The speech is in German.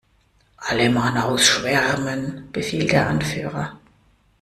"Alle Mann ausschwärmen!", befiehlt der Anführer.